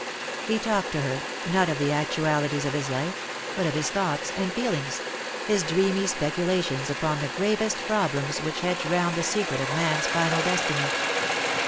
He talked to her, not of the actualities of his life, but of his thoughts and feelings — his dreamy speculations upon the gravest problems which hedge round the secret of man's final destiny.